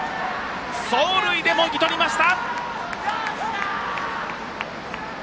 走塁でもぎ取りました！